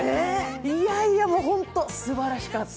いやいやホント、すばらしかった。